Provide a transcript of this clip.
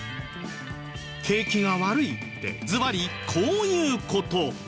景気が悪いってずばりこういう事